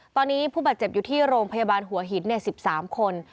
ตอนนี้ผู้บาดเจ็บอยู่ที่โรงพยาบาลหัวหิน๑๓คน